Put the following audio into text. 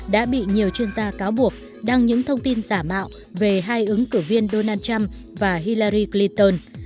đã bị nhiều chuyên gia cáo buộc đăng những thông tin giả mạo về hai ứng cử viên donald trump và hillarri cliton